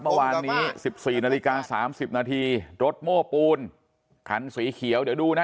เมื่อวานนี้๑๔นาฬิกา๓๐นาทีรถโม้ปูนคันสีเขียวเดี๋ยวดูนะ